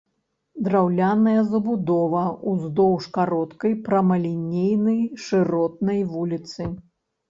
Драўляная забудова ўздоўж кароткай прамалінейнай шыротнай вуліцы.